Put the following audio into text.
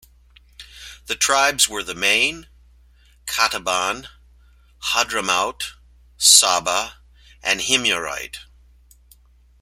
The tribes were the M'ain, Qataban, Hadhramaut, Saba and Himyarite.